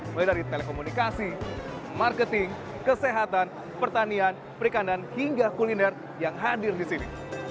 mulai dari telekomunikasi marketing kesehatan pertanian perikanan hingga kuliner yang hadir di sini